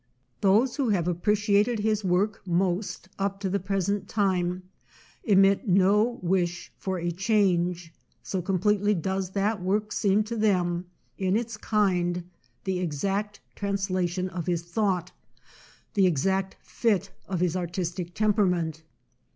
Those who have appreciated his work most up to the present time emit no wish for a change, so completely does that work seem to them, in its kind, the exact trans lation of his thought, the exact "fit" of his artistic temperament.